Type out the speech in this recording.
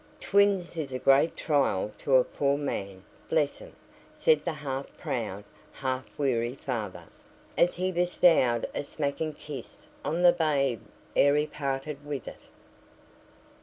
"Twins is a great trial to a poor man, bless 'em," said the half proud, half weary father, as he bestowed a smacking kiss on the babe ere he parted with it.